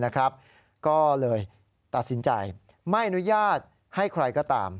ก็เลยตัดสินใจไม่อนุญาตให้ใครก็ตาม